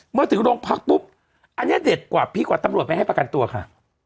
เมื่อถึงโรงพักปุ๊บอันนี้เด็ดกว่าพี่กว่าตำรวจไม่ให้ประกันตัวค่ะ